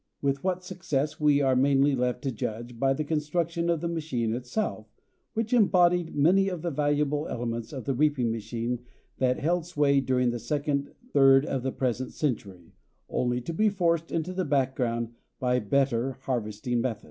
With what success, we are mainly left to judge by the construction of the machine itself, which embodied many of the valuable elements of the reaping machine that held sway during the second third of the present century, only to be forced into the background by better harvesting methods.